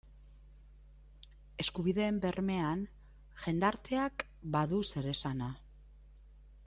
Eskubideen bermean jendarteak badu zeresana.